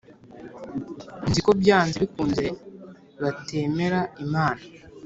nzi ko byanze bikunze batemera Imana